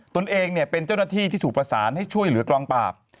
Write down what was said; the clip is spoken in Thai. ตัวเองเป็นเจ้าหน้าที่ที่ถูกประสานให้ช่วยเหลือกองปราบ